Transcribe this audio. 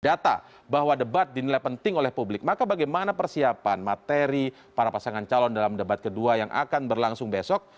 data bahwa debat dinilai penting oleh publik maka bagaimana persiapan materi para pasangan calon dalam debat kedua yang akan berlangsung besok